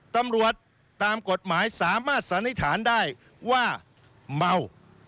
ตำรวจตามกฎหมายสามารถสันนิษฐานได้ว่าเมา